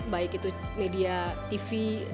baik itu media tv